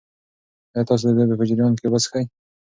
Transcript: ایا تاسي د لوبې په جریان کې اوبه څښئ؟